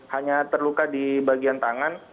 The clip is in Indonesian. hanya terluka di bagian tangan